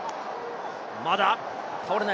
まだ倒れない。